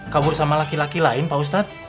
kabur sama laki laki lain pak ustadz